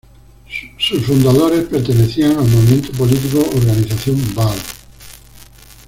Sus fundadores pertenecían al movimiento político Organización Badr.